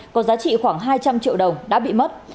có giá trị khoảng hai trăm linh triệu đồng đã bị mất